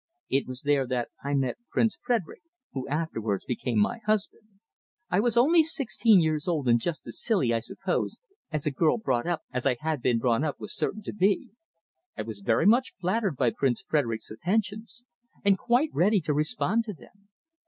It was there that I met Prince Frederick, who afterwards became my husband. "I was only sixteen years old, and just as silly, I suppose, as a girl brought up as I had been brought up was certain to be. I was very much flattered by Prince Frederick's attentions, and quite ready to respond to them.